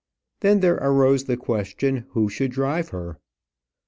Then there arose the question who should drive her.